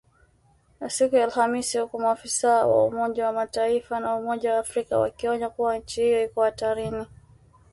Siku ya Alhamisi huku maafisa wa Umoja wa Mataifa na Umoja wa Afrika wakionya kuwa nchi hiyo iko hatarini